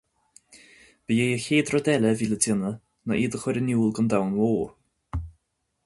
Ba é an chéad rud eile a bhí le déanamh ná iad a chur in iúl don domhan mhór.